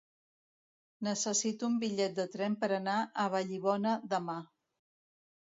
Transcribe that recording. Necessito un bitllet de tren per anar a Vallibona demà.